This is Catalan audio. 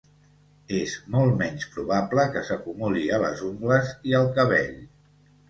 És molt menys probable que s'acumuli a les ungles i al cabell.